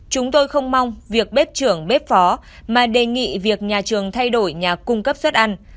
chúng tôi không mong việc bếp trưởng bếp phó mà đề nghị việc nhà trường thay đổi nhà cung cấp suất ăn